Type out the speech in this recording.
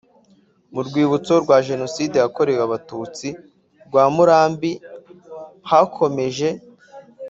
Mu rwibutso rwa Jenoside yakorewe Abatutsi rwa Murambi hakomeje